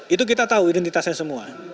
itu kita tahu identitasnya semua